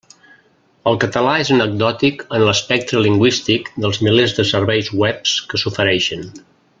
El català és anecdòtic en l'espectre lingüístic dels milers de serveis webs que s'ofereixen.